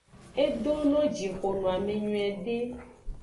Edono jixo noame nyuiede.